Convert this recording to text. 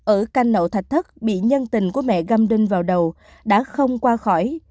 ở canh nậu thạch thất bị nhân tình của mẹ găm đinh vào đầu đã không qua khỏi